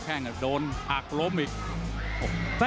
โต้แข่งจะโดนหากล้มอีก